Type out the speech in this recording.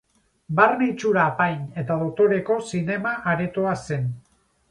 Barne itxura apain eta dotoreko zinema aretoa zen.